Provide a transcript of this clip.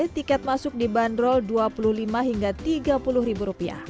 tiket masuk di bandrol rp dua puluh lima tiga puluh